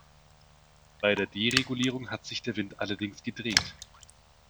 Bei der Deregulierung hat sich der Wind allerdings gedreht.